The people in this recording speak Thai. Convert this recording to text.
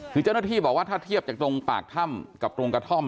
คือเจ้าหน้าที่บอกว่าถ้าเทียบจากตรงปากถ้ำกับตรงกระท่อม